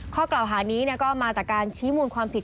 ข้อกล่าวหานี้ก็มาจากการชี้มูลความผิด